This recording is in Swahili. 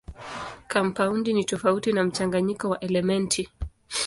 Kampaundi ni tofauti na mchanganyiko wa elementi.